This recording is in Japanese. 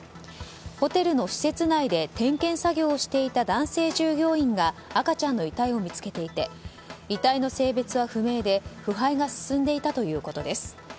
ホテルの施設内で点検作業をしていた男性従業員が赤ちゃんの遺体を見つけていて遺体の性別は不明で腐敗が進んでいたということです。